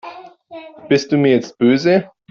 Bist du mir jetzt böse?